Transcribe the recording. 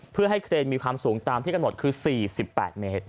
เพื่อให้เครนมีความสูงตามที่กำหนดคือ๔๘เมตร